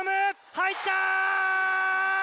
入った！